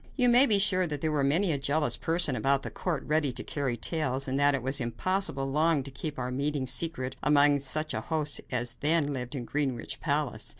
You may be sure there was many a jealous person about the court ready to carry tales, and that it was impossible long to keep our meetings secret among such a host as then lived in Greenwich palace.